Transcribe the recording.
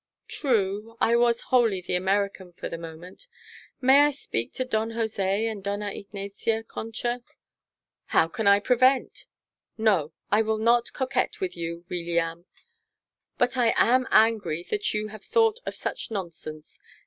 "True. I was wholly the American for the moment. May I speak to Don Jose and Dona Ignacia, Concha?" "How can I prevent? No, I will not coquet with you, Weeliam. But I am angry that you have thought of such nonsense.